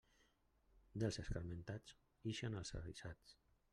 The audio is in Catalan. Dels escarmentats, ixen els avisats.